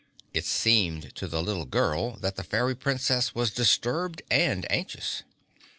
It seemed to the little girl that the Fairy Princess was disturbed and anxious.